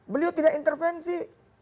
beliau tidak intervensi